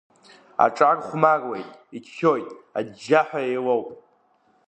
Аҿар хәмаруеит, иччоит, аџьџьаҳәа еилоуп.